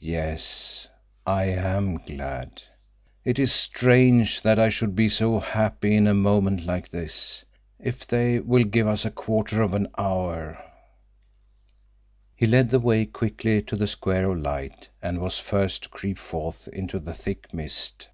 "Yes—I am glad. It is strange that I should be so happy in a moment like this. If they will give us a quarter of an hour—" He led the way quickly to the square of light and was first to creep forth into the thick mist.